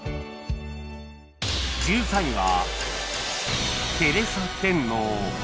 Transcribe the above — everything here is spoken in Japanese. １３位は